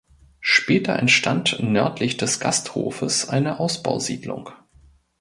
Später entstand nördlich des Gasthofes eine Ausbausiedlung.